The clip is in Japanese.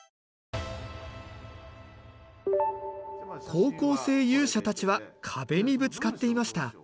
高校生勇者たちは壁にぶつかっていました。